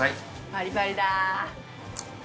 バリバリだ。